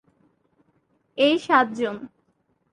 এই সাতজন।